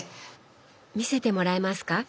見せてもらえますか？